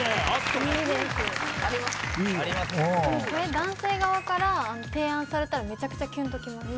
これ男性側から提案されたらめちゃくちゃきゅんときます。